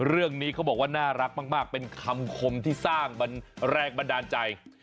เรื่องนี้เขาบอกว่าน่ารักมากเป็นคำคมที่สร้างแรงบันดาลใจ